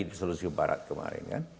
di solusi barat kemarin